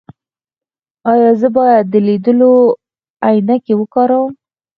ایا زه باید د لیدلو عینکې وکاروم؟